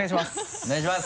お願いします。